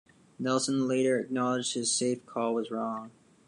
Nelson later acknowledged his safe call was wrong.